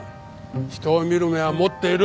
人を見る目は持っている。